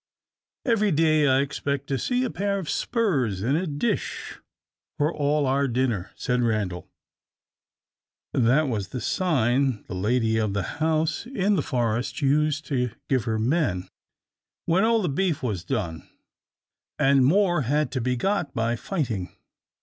"Every day I expect to see a pair of spurs in a dish for all our dinner," said Randal. That was the sign the lady of the house in the Forest used to give her men, when all the beef was done, and more had to be got by fighting.